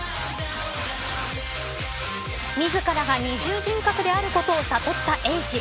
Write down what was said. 自らが二重人格であることを悟ったエイジ。